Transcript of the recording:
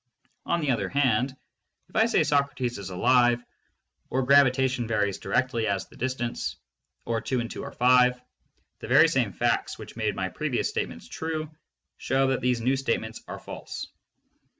On the other hand, if I say "Socrates is alive," or "Gravitation varies directly as the distance," or "Two and two are five," the very same facts which made my previous statements true show that these new statements are false.